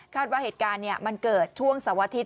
คาดว่าเหตุการณ์มันเกิดช่วงสวทิศ